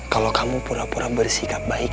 kalau kamu pura pura bersikap baik